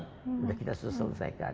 sudah kita selesaikan